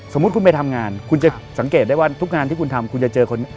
สมมุติคุณไปทำงานคุณจะสังเกตได้ว่าทุกงานที่คุณทำคุณจะเจอคน